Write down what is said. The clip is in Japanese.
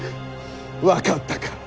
分かったか？